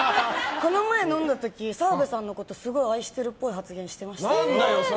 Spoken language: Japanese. この前飲んだ時澤部さんのことすごい愛してるっぽい発言してましたよ。